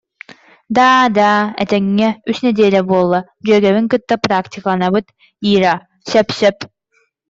Даа, даа, этэҥҥэ, үс нэдиэлэ буолла, дьүөгэбин кытта практикаланабыт, Ира, сөп-сөп